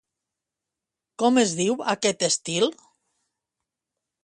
Com es diu aquest estil?